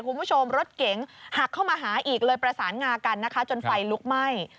คุณผู้ชมรถเก๋งหักเข้ามาหาอีกเลยประสานงากันนะคะจนไฟลุกไหม้